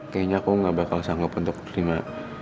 kayaknya aku gak bakal sanggup untuk nerima